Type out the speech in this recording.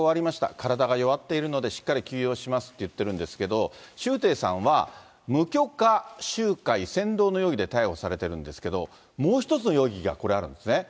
体が弱っているのでしっかり休養しますって言ってるんですけれども、周庭さんは無許可集会扇動の容疑で逮捕されてるんですけれども、もう一つの容疑が、これ、あるんですね。